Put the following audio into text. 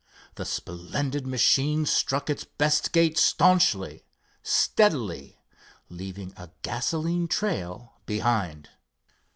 The splendid machine struck its best gait staunchly, steadily, leaving a gasoline trail behind.